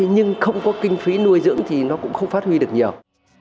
nhưng không có kinh phí nuôi dưỡng thì nó cũng không phát huy được nhiều